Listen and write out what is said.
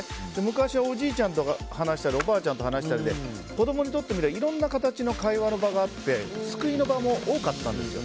昔はおじいちゃんとかおばあちゃんと話したりで子どもにとってみたらいろんな形の会話の場があって救いの場も多かったんですよ。